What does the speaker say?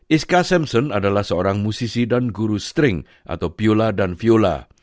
iska samson adalah seorang musisi dan guru string atau viola dan viola